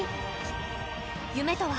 夢とは？